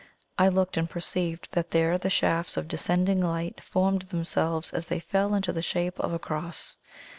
I looked, and perceived that there the shafts of descending light formed themselves as they fell into the shape of a Cross.